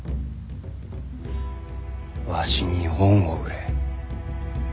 わしに恩を売れ。